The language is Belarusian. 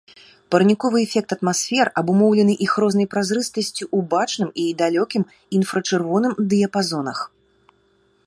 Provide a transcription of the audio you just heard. Парніковы эфект атмасфер абумоўлены іх рознай празрыстасцю ў бачным і далёкім інфрачырвоным дыяпазонах.